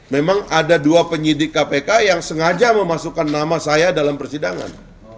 memang ada dua penyidik kpk yang sengaja memasukkan nama saya dalam persidangan